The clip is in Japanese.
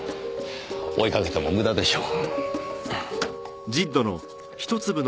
追いかけても無駄でしょう。